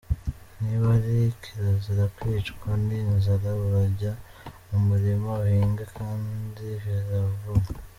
Niba ari kirazira kwicwa ni inzara urajya mu murima uhinge kandi biravuna.